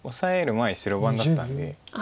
前白番だったんで。